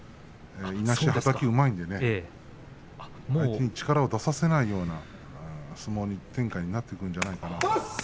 いなし、はたきがうまいので相手に力を出させないような相撲展開になっていくんじゃないかなと思います。